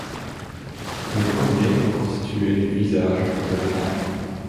Le premier est constitué du visage et de la main.